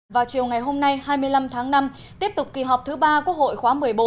vào chiều ngày hôm nay hai mươi năm tháng năm tiếp tục kỳ họp thứ ba quốc hội khóa một mươi bốn